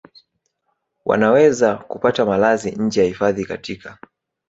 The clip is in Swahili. wanaweza kupata malazi nje ya hifadhi katika